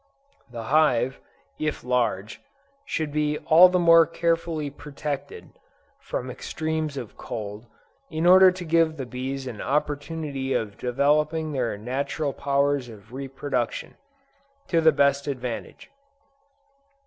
The hive, if large, should be all the more carefully protected from extremes of cold, in order to give the bees an opportunity of developing their natural powers of re production, to the best advantage.